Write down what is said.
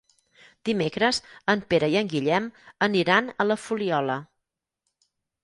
Dimecres en Pere i en Guillem aniran a la Fuliola.